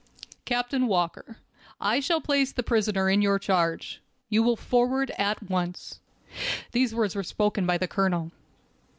"Captain Walker, I shall place the prisoner in your charge. You will forward at once." These words were spoken by the colonel.